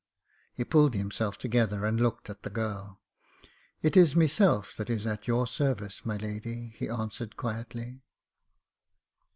He pulled himself together and looked at the girl. "It is meself that is at your service, my lady," he answered, quietly.